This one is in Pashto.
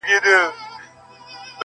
د نامه له يادولو يې بېرېږي.!